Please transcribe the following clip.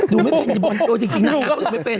ดูไม่เป็นที่บอลโดยจริงนางงามก็ไม่เป็น